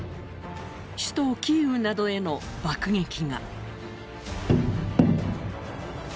首都キーウなどへの爆撃が。